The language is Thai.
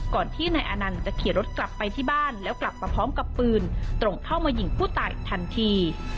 ที่นายอานันต์จะขี่รถกลับไปที่บ้านแล้วกลับมาพร้อมกับปืนตรงเข้ามายิงผู้ตายทันที